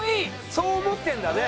そう思ってるんだね。